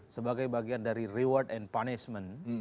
sebagai bagian dari reward and punishment